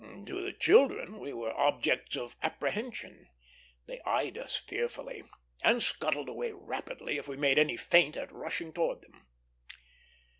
To the children we were objects of apprehension; they eyed us fearfully, and scuttled away rapidly if we made any feint at rushing towards them.